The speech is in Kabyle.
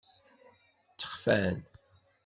Ttexfan.